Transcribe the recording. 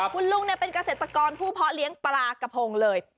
คุณลุงเป็นเกษตรกรผู้เพาะเลี้ยงปลากระพงเลย